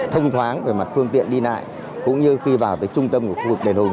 thông thoáng về mặt phương tiện đi lại cũng như khi vào trung tâm của khu vực đền hùng